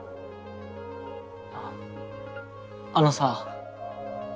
ああのさ。